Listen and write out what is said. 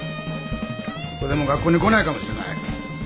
これでもう学校に来ないかもしれない。